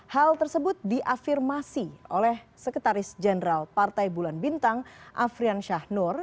hal tersebut diafirmasi oleh sekretaris jenderal partai bulan bintang afrian syahnur